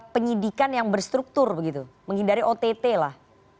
penyidikan yang berstruktur begitu menghindari ott lah